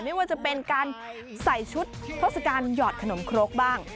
ไม่ว่าจะเป็นการใส่ชุดเทศกาลหยอดขนมครกบ้าง